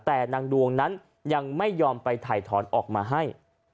แต่นางดวงนั้นยังไม่ยอมไปถ่ายถอนออกมาให้